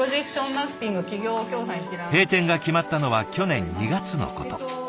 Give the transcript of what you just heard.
閉店が決まったのは去年２月のこと。